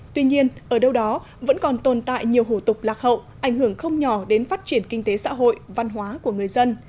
tuy nhiên ở đâu đó vẫn còn tồn tại nhiều hủ tục lạc hậu ảnh hưởng không nhỏ đến phát triển kinh tế xã hội văn hóa của người dân